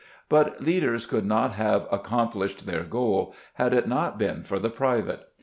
But the leaders could not have accomplished their goal had it not been for the private.